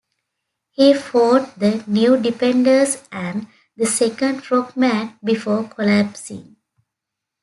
He fought the New Defenders and the second Frog-Man, before collapsing.